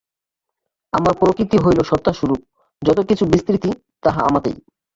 আমার প্রকৃতি হইল সত্তাস্বরূপ, যত কিছু বিস্তৃতি, তাহা আমাতেই।